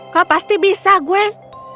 kau pasti bisa gwen